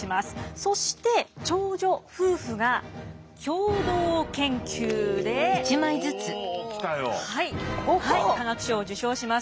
そして長女夫婦が共同研究で化学賞を受賞します。